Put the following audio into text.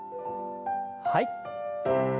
はい。